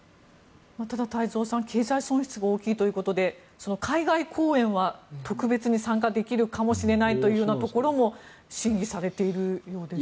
ただ、太蔵さん経済損失が大きいということで海外公演は特別に参加できるかもしれないというところも審議されているようですね。